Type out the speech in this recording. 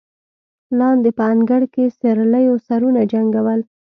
لاندې په انګړ کې سېرليو سرونه جنګول.